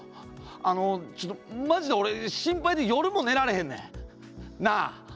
あのちょっとまじで俺、心配で夜も寝られへんねん！